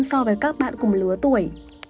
so với các bạn cùng lứa tuổi